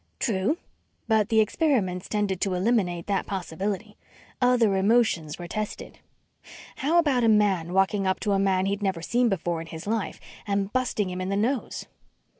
"True, but the experiments tended to eliminate that possibility. Other emotions were tested. How about a man walking up to a man he'd never seen before in his life and busting him in the nose?"